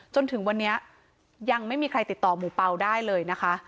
จนถึงวันนี้ยังไม่มีใครติดต่อหมู่เปล่าได้เลยนะคะ